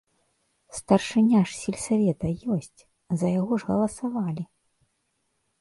Старшыня ж сельсавета ёсць, за яго ж галасавалі!